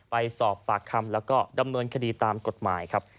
ไปสอบปากคำแล้วก็ดำเนินคดีตามกฎหมายครับ